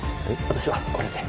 私はこれで。